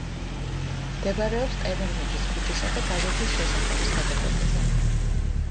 მდებარეობს ტემერნიკის ქუჩისა და გაზეთის შესახვევის გადაკვეთაზე.